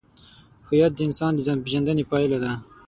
هویت د انسان د ځانپېژندنې پایله ده.